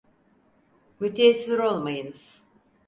Müteessir olmayınız.